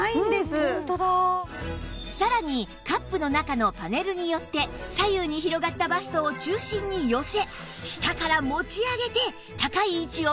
さらにカップの中のパネルによって左右に広がったバストを中心に寄せ下から持ち上げて高い位置をキープ